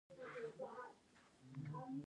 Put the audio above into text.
افغانستان د د کابل سیند د پلوه ځانته ځانګړتیا لري.